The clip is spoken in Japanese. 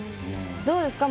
どうですか？